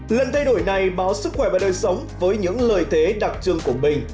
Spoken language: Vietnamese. lần thay đổi này báo sức khỏe và đời sống với những lợi thế đặc trưng của mình